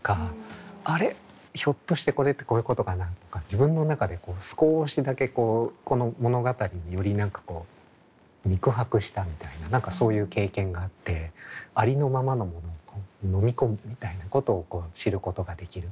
ひょっとしてこれってこういうことかな」とか自分の中で少しだけこの物語により何かこう肉薄したみたいな何かそういう経験があってありのままのものを飲み込むみたいなことを知ることができる。